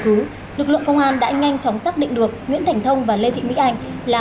cứ lực lượng công an đã nhanh chóng xác định được nguyễn thành thông và lê thịnh vĩ anh là